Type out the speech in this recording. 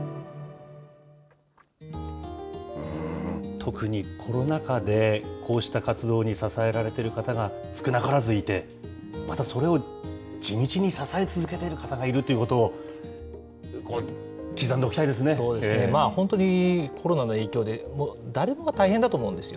特にコロナ禍で、こうした活動に支えられている方が少なからずいて、また、それを地道に支え続けている方がいるってことを、刻んでおきたいそうですね、本当にコロナの影響で、誰もが大変だと思うんですよ。